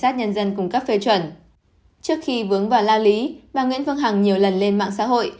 trước khi vướng vào lao lý bà nguyễn phương hằng nhiều lần lên mạng xã hội